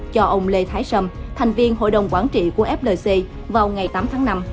cho ông lê thái sâm thành viên hội đồng quản trị của flc vào ngày tám tháng năm